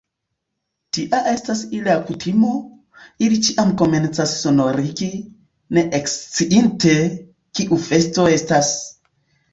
Tia estas ilia kutimo; ili ĉiam komencas sonorigi, ne eksciinte, kiu festo estas!